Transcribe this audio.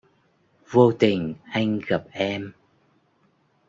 Vô tình anh gặp em